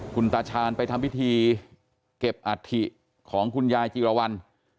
คุณตาชาญไปทำพิธีเก็บอัฐิของคุณยายจีรวรรณ